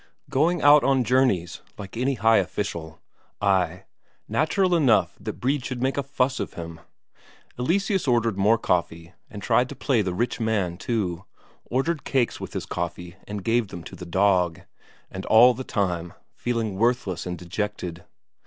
Going out on journeys like any high official; ay, natural enough that Brede should make a fuss of him. Eleseus ordered more coffee, and tried to play the rich man too; ordered cakes with his coffee and gave them to the dog and all the time feeling worthless and dejected.